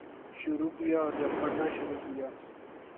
شروع کیا اور جب پڑھنا شروع کیا